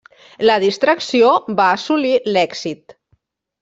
La distracció va assolir l'èxit.